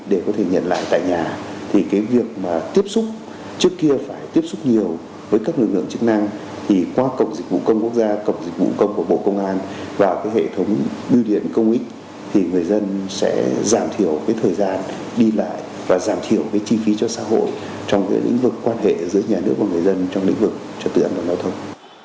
để có thể nhận lại tại nhà thì cái việc mà tiếp xúc trước kia phải tiếp xúc nhiều với các lực lượng chức năng thì qua cổng dịch vụ công quốc gia cổng dịch vụ công của bộ công an và cái hệ thống bưu điện công ích thì người dân sẽ giảm thiểu cái thời gian đi lại và giảm thiểu cái chi phí cho xã hội trong cái lĩnh vực quan hệ giữa nhà nước và người dân trong lĩnh vực trật tượng và nộp thông